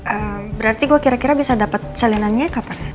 ehm berarti gue kira kira bisa dapet salinannya kapan